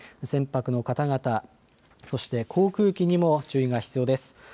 船舶の方々、そして航空機にも注意が必要です。